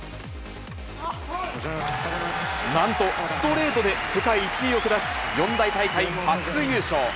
なんと、ストレートで世界１位を下し、四大大会初優勝。